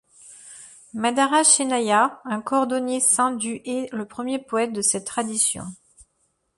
Madara Chennaiah, un cordonnier-saint du est le premier poète de cette tradition.